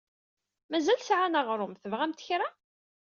Mazal sɛan aɣṛum. Tebɣamt kra?